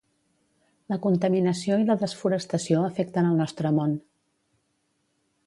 La contaminació i la desforestació afecten el nostre món.